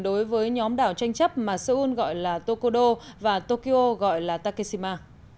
đối với nhóm đảo tranh chấp mà seoul gọi là tokodo và tokyo gọi là takeshima